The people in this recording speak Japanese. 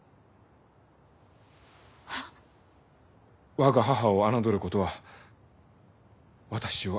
我が母を侮ることは私を侮ること。